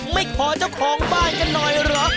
ไม่ขอเจ้าของบ้านกันหน่อยหรอก